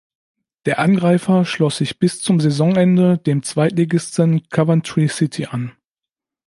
Der Angreifer schloss sich bis zum Saisonende dem Zweitligisten Coventry City an.